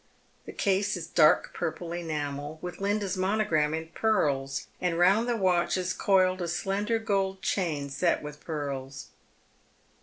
The case is dark purple enamel, with Linda's monogram in pearls, and round the watch is coiled a slender gold chain set ■with pearls.